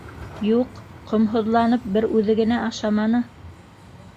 Юҡ, ҡомһоҙланып, бер үҙе генә ашаманы.